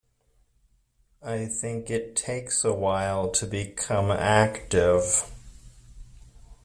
I think it takes a while to become active.